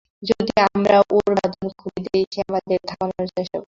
যদি আমরা ওর বাঁধন খুলে দিই, সে আমাদেরকে থামানোর চেষ্টা করবে।